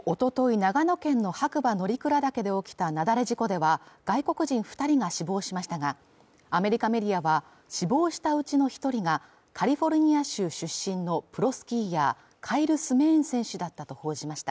長野県の白馬乗鞍岳で起きた雪崩事故では外国人二人が死亡しましたがアメリカメディアは死亡したうちの一人がカリフォルニア州出身のプロスキーヤーカイル・スメーン選手だったと報じました